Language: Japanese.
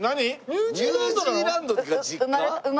ニュージーランドが実家？